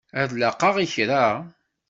Ad laqeɣ i kra?